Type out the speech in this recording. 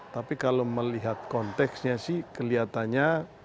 tapi kalau melihat konteksnya sih kelihatannya